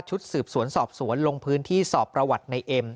สืบสวนสอบสวนลงพื้นที่สอบประวัติในเอ็ม